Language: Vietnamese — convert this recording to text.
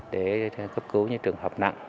để cấp cứu những trường hợp nặng